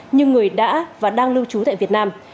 như người đã và đang lưu trú tại việt nam